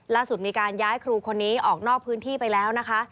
ล่าสุดมีการย้ายครูคนนี้ออกนอกพื้นที่ไปแล้วนะคะ